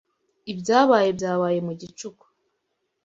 Ibyabaye byabaye mu gicuku